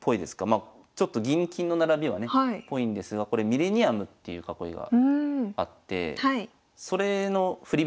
まあちょっと銀金の並びはねっぽいんですがこれミレニアムっていう囲いがあってそれの振り